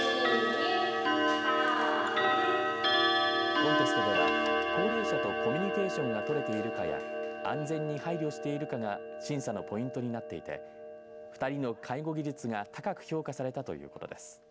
コンテストでは高齢者とコミュニケーションが取れているかや安全に配慮しているかが審査のポイントになっていて２人の介護技術が高く評価されたということです。